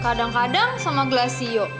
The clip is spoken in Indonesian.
kadang kadang sama glassio